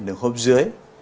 đường hốp dưới